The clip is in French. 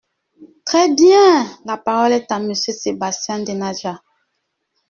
Très bien ! La parole est à Monsieur Sébastien Denaja.